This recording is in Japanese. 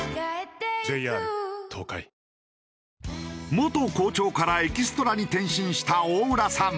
元校長からエキストラに転身した大浦さん。